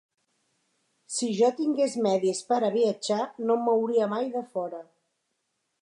Si jo tingués medis pera viatjar, no em mouria mai de fora